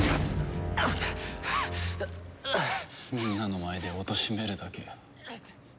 みんなの前でおとしめるだけ。